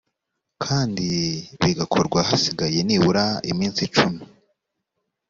kandibigakorwa hasigaye nibura iminsi cumi